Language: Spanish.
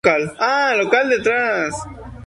Esto debe ser intentado sólo en caso de exposición.